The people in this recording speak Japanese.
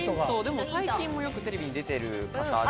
最近もよくテレビに出てる方で。